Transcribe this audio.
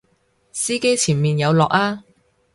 司機前面有落啊！